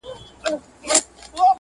له دغه تقلیده ځان ساتلی دی